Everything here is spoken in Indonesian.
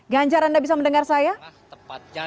ganjar anda bisa mendengar saya tepat